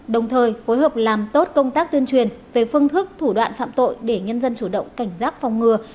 đồng thời phối hợp làm tốt công tác tuyên truyền về phương thức thủ đoạn phạm tội để nhân dân chủ động cảnh giác phòng ngừa